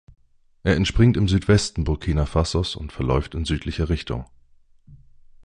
Er entspringt im Südwesten Burkina Fasos und verläuft in südlicher Richtung.